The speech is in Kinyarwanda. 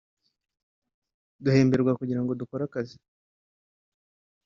Duhemberwa kugira ngo dukore akazi